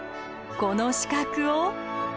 この資格を。